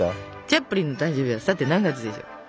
チャップリンの誕生日はさて何月でしょう？